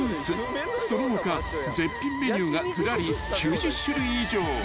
その他絶品メニューがずらり９０種類以上］